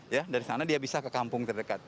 ya dari sana dia bisa ke kampung terdekat